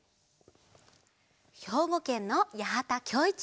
ひょうごけんのやはたきょういちくん３さいから。